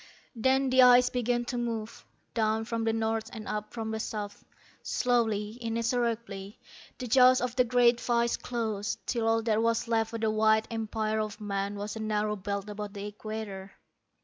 _ _Then the ice began to move, down from the north and up from the south. Slowly, inexorably, the jaws of the great vise closed, till all that was left of the wide empire of man was a narrow belt about the equator.